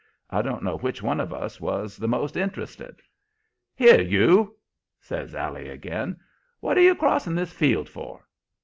I don't know which of us was the most interested. "'Here, you!' says Allie again. 'What are you crossing this field for?'